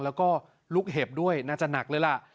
แล้วก็ลูกเห็บด้วยน่าจะหนักเลยล่ะ